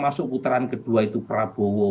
masuk putaran kedua itu prabowo